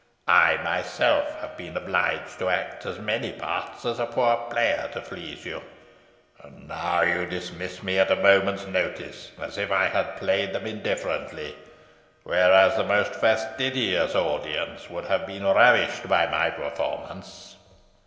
I, myself, have been obliged to act as many parts as a poor player to please you, and now you dismiss me at a moment's notice, as if I had played them indifferently, whereas the most fastidious audience would have been ravished with my performance.